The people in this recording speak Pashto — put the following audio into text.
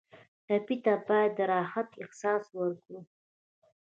ټپي ته باید د راحت احساس ورکړو.